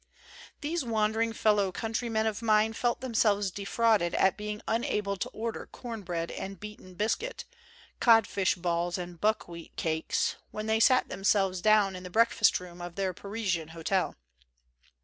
These wandering fellow countrymen of mine felt themselves defrauded at being unable to order corn bread and beaten biscuit, codfish balls and buckwheat cakes, when they sat themsrl\v> down in the breakfast room of their Parisian hotel.